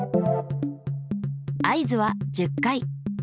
合図は１０回。